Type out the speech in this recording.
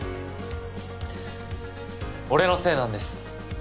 俺のせいなんです。